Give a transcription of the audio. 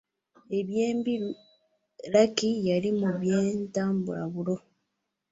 Eby’embi Lucky yali mu by’e Butambala ‘Bulo’.